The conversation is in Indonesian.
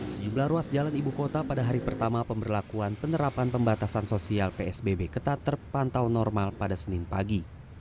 sejumlah ruas jalan ibu kota pada hari pertama pemberlakuan penerapan pembatasan sosial psbb ketat terpantau normal pada senin pagi